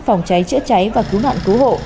phòng cháy chữa cháy và cứu nạn cứu hộ